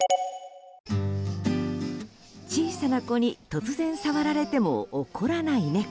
小さな子に突然触られても怒らない猫。